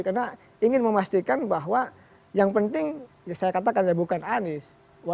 karena ingin memastikan bahwa yang penting saya katakan bukan anies